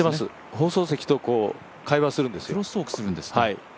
放送席と会話するんですよ。